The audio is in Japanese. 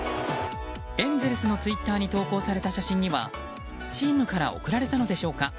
エンゼルスのツイッターに投稿された写真にはチームから贈られたのでしょうか。